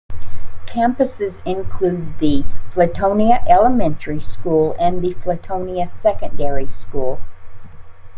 Campuses include the Flatonia Elementary School and Flatonia Secondary School.